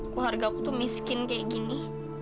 keluarga aku tuh miskin kayak gini